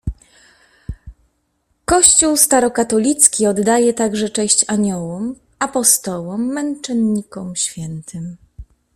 Kościół Starokatolicki oddaje także cześć aniołom, apostołom, męczennikom, świętym.